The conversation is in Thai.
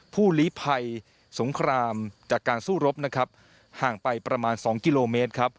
ลีภัยสงครามจากการสู้รบนะครับห่างไปประมาณ๒กิโลเมตรครับ